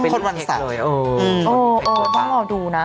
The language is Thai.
คนวันเสาร์ต้องรอดูนะ